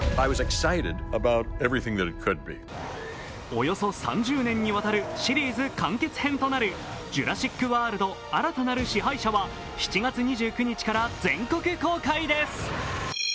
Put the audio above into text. およそ３０年にわたるシリーズ完結編となる「ジュラシック・ワールド／新たなる支配者」は７月２９日から全国公開です。